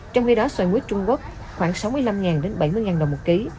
trong khi đó xoay muối trung quốc khoảng sáu mươi năm ngàn đến bảy mươi ngàn đồng một ký